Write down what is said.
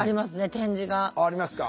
点字が。ありますか。